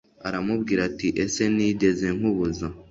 aramubwira ati ese nigeze nkubuza